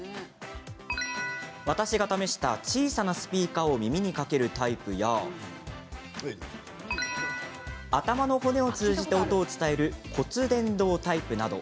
私が試した小さなスピーカーを耳に掛けるタイプや頭の骨を通じて音を伝える骨伝導タイプなど。